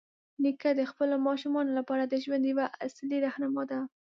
نیکه د خپلو ماشومانو لپاره د ژوند یوه اصلي راهنما دی.